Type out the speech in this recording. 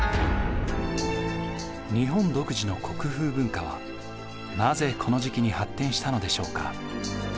日本独自の国風文化はなぜこの時期に発展したのでしょうか？